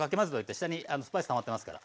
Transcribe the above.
下にスパイスたまってますから。